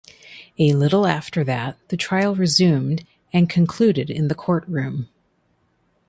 A little after that the trial resumed and concluded in the court room.